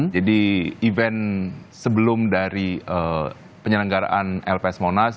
jadi event sebelum dari penyelenggaraan lps monashalv